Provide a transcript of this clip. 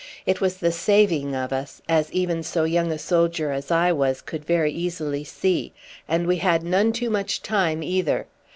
It was the saving of us, as even so young a soldier as I was could very easily see; and we had none too much time either.